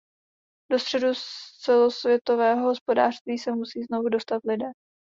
Do středu celosvětového hospodářství se musí znovu dostat lidé.